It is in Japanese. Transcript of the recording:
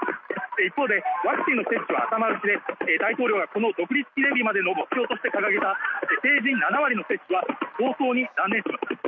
一方でワクチン接種は頭打ちで大統領がこの独立記念日までの目標として掲げた成人７割の接種は早々に断念しました。